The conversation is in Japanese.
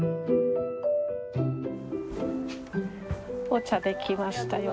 お茶出来ましたよ。